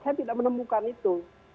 saya tidak menemukan itu